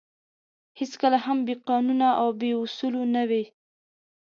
هېڅکله هم بې قانونه او بې اُصولو نه وې.